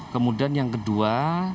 kemudian yang kedua